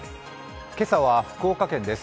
今朝は福岡県です。